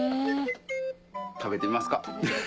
食べてみますか？